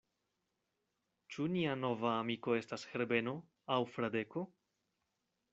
Ĉu nia nova amiko estas Herbeno aŭ Fradeko?